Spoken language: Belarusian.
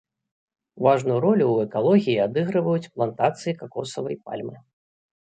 Важную ролю ў экалогіі адыгрываюць плантацыі какосавай пальмы.